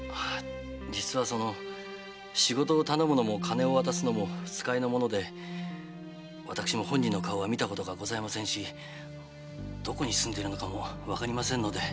実はその仕事を頼むのも金を渡すのも使いの者で私も本人の顔は見たことがございませんしどこに住んでいるのかもわかりませんので。